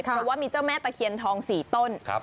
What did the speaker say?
เพราะว่ามีเจ้าแม่ตะเคียนทอง๔ต้น